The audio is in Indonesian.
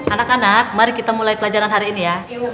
anak anak mari kita mulai pelajaran hari ini ya